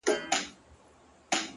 o خداى دي له بدوسترگو وساته تل،